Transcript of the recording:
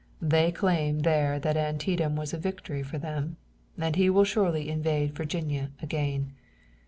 They claim there that Antietam was a victory for them, and he will surely invade Virginia again.